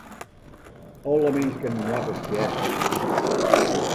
Alle minsken moatte stjerre.